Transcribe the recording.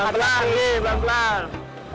jalan pelan ji pelan pelan